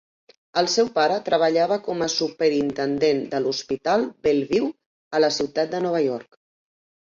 El seu pare treballava com a superintendent de l'Hospital Bellevue a la ciutat de Nova York.